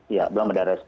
iya belum ada respon